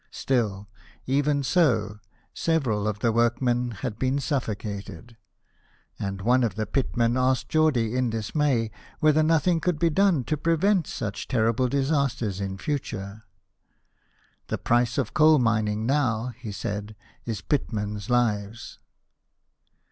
Still, even so, several of the workmen had been suffocated, and one of the pitmen asked Geordie in dismay whether nothing could be done to prevent such terrible disasters in future. " The price of coal mining now," he said, " is pitmen's lives."